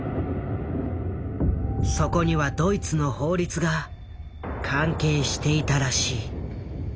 そこにはドイツの法律が関係していたらしい。